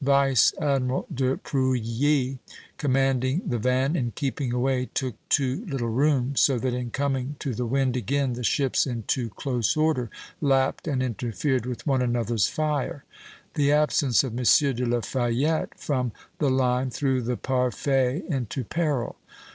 "Vice Admiral de Preuilli, commanding the van, in keeping away took too little room, so that in coming to the wind again, the ships, in too close order, lapped and interfered with one another's fire [A']. The absence of M. de la Fayette from the line threw the 'Parfait' into peril.